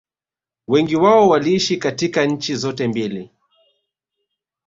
Wengi wao waliishi katika nchi zote mbili